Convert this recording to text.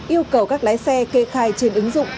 yêu cầu các lái xe kê khai trên ứng dụng